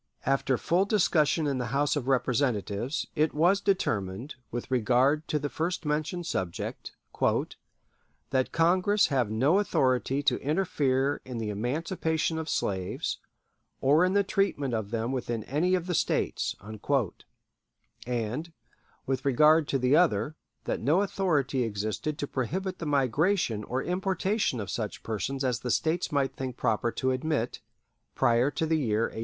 After full discussion in the House of Representatives, it was determined, with regard to the first mentioned subject, "that Congress have no authority to interfere in the emancipation of slaves, or in the treatment of them within any of the States"; and, with regard to the other, that no authority existed to prohibit the migration or importation of such persons as the States might think proper to admit "prior to the year 1808."